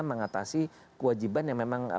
mengatasi kewajiban yang memang